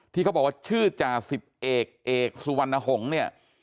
ที่เขาบอกว่าชื่อจ่าสิบเอกเอกสุวรรณหงษ์เนี่ย